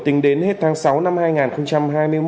tính đến hết tháng sáu năm hai nghìn hai mươi một